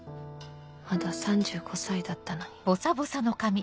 まだ３５歳だったのに。